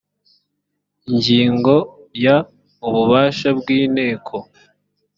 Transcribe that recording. ingingo ya ububasha bw inteko